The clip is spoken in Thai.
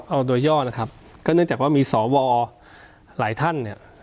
เอาโดยย่อนะครับก็เนื่องจากว่ามีสวหลายท่านเนี่ย